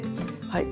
はい。